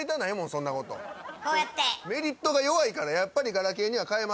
メリットが弱いからやっぱりガラケーには替えません。